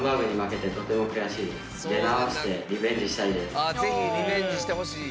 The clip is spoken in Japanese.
あ是非リベンジしてほしい。